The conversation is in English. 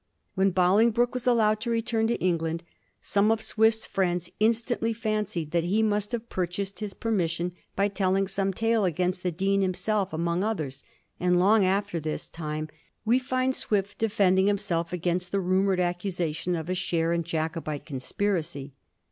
When Bolingbroke was allowed to return to Eng land, some of Swift's friends instantly fancied that he must have purchased his permission by telling some tale against the dean himself, among others, and long after this time we find Swift defending himself against the rumoured accusation of a share in Jacobite conspiracy.